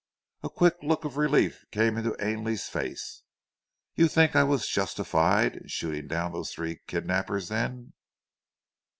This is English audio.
A quick look of relief came into Ainley's face. "You think I was justified in shooting down those three kidnappers then?"